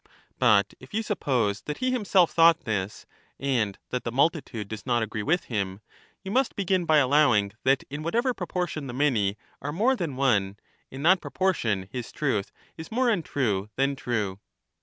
sockatw, But if you suppose that he himself thought this, and that the Thbodoius. multitude does not agree with him, you must begin by allow numbers ing that in whatever proportion the many are more than one, decide Tthis in that proportion his truth is more untrue than true.